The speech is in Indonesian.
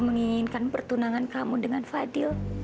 menginginkan pertunangan kamu dengan fadil